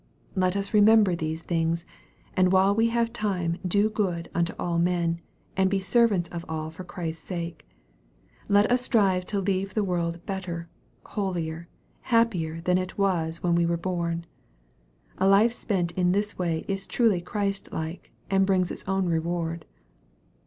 Let us remember these things, and while we have time do good unto all men, and be servants of all for Christ's sake. Let us strive to leave the world better, holier, happier than it was when we were born. A life spent in this way is truly Christ like, and brings its own reward.